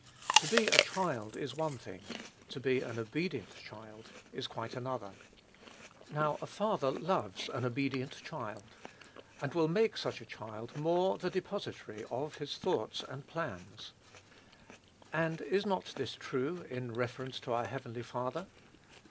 To be a child is one thing, to be an obedient child is quite another. Now, a father loves an obedient child, and will make such a child more the depositary of his thoughts and plans. And is this not true, in reference to our heavenly Father?